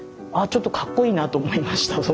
ちょっとかっこいいなと思いました。